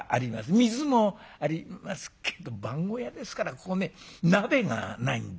水もありますけど番小屋ですからここね鍋がないんで」。